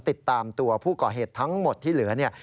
ติดตามตัวผู้ก่อเหตุทั้งหมดที่เหลือเนี่ย